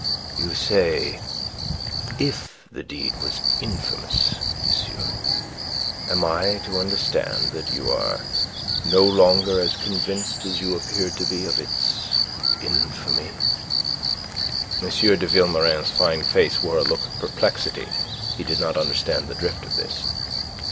"You say, 'if the deed was infamous,' monsieur. Am I to understand that you are no longer as convinced as you appeared to be of its infamy?" M. de Vilmorin's fine face wore a look of perplexity. He did not understand the drift of this.